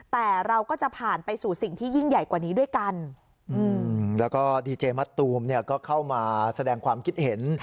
แต่เราก็จะผ่านไปสู่สิ่งที่ยิ่งใหญ่กว่านี้ด้วยกันแล้วก็ดีเจมัตตูมเนี่ยก็เข้ามาแสดงความคิดเห็น